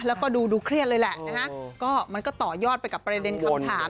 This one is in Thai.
แล้วก็ดูเครียดเลยแหละนะฮะก็มันก็ต่อยอดไปกับประเด็นคำถาม